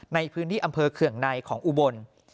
ในพื้นที่อำเภอเคืองในของอุบล